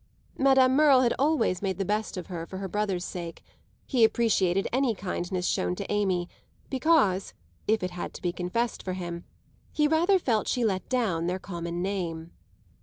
Madame Merle had always made the best of her for her brother's sake; he appreciated any kindness shown to Amy, because (if it had to be confessed for him) he rather felt she let down their common name.